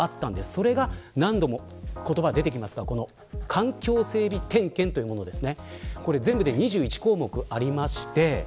それが何度も言葉に出てきますが環境整備点検というものです。